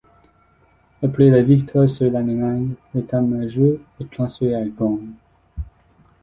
Après la victoire sur l'Allemagne, l'état major est transféré à Gand.